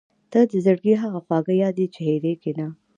• ته د زړګي هغه خواږه یاد یې چې هېرېږي نه.